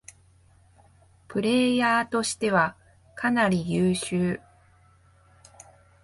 プレイヤーとしてはかなり優秀